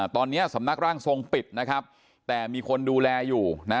ตอนนี้สำนักร่างทรงปิดนะครับแต่มีคนดูแลอยู่นะ